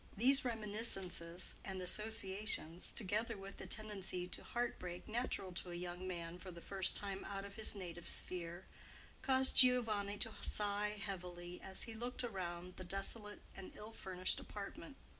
These reminiscences and associations, together with the tendency to heartbreak natural to a young man for the first time out of his native sphere, caused Giovanni to sigh heavily as he looked around the desolate and ill furnished apartment.